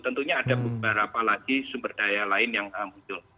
tentunya ada beberapa lagi sumber daya lain yang muncul